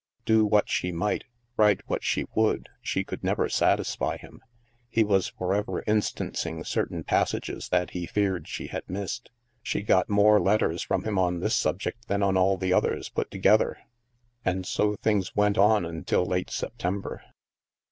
Do what she might, write what she would, she could never satisfy him. He was forever instancing certain passages that he feared she had missed. She got more letters from him on this subject than on all the others put to gether. And so things went on until late September.